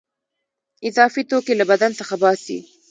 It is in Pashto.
اضافي توکي له بدن څخه باسي.